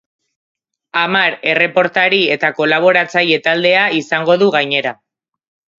Hamar erreportari eta kolaboratzaile taldea izango du gainera.